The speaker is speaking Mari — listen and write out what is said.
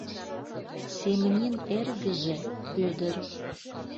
— Семнин эргыже — Пӧдыр...